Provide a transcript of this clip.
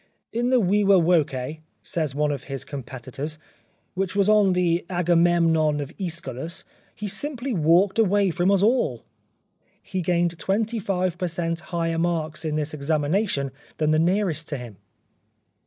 " In the viva voce," says one of his competitors, " which was on the Agamemnon of iEschylus, he simply walked away from us all." He gained 25 per cent, higher marks in this examination than the nearest to him.